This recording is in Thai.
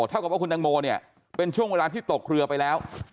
เท่ากับว่าคุณตังโมเนี่ยเป็นช่วงเวลาที่ตกเรือไปแล้ว